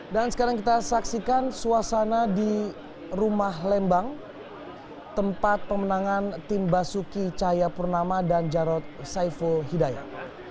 dan sekarang kita saksikan suasana di rumah lembang tempat pemenangan tim basuki cayapurnama dan jarod saiful hidayah